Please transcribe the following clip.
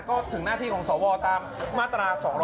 ก็ถึงหน้าที่ของสวตามมาตรา๒๗